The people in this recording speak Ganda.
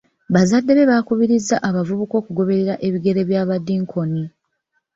Bazadde be baakubiriza abavubuka okugoberera ebigere by'abadinkoni.